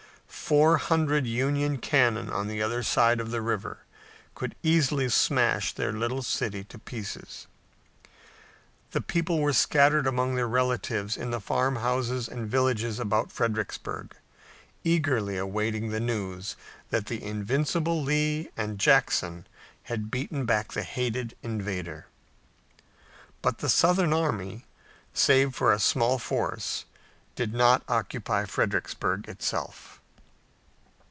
Four hundred Union cannon on the other side of the river could easily smash their little city to pieces. The people were scattered among their relatives in the farmhouses and villages about Fredericksburg, eagerly awaiting the news that the invincible Lee and Jackson had beaten back the hated invader. But the Southern army, save for a small force, did not occupy Fredericksburg itself.